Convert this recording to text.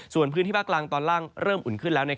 ส่วนพื้นที่ภาคกลางตอนล่างเริ่มอุ่นขึ้นแล้ว